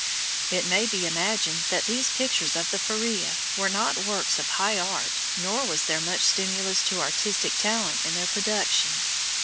It may be imagined that these pictures of the Feria were not works of high art, nor was there much stimulus to artistic talent in their production.